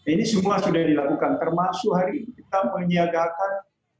ini semua sudah dilakukan termasuk hari kita menyiapkan